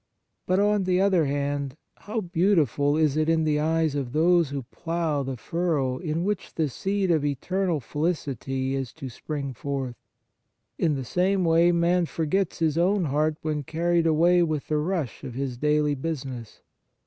But, on the other hand, how beautiful is it in the eyes of those who plough the furrow in which the seed of eternal felicity is to spring forth ! In the same way, man forgets his own heart when carried away with the rush of his daily business.